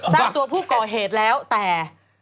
ทราบตัวผู้ก่อเหตุแล้วแต่